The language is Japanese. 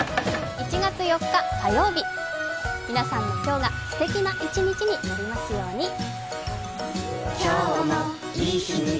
１月４日火曜日、皆さんの今日がすてきな一日になりますように。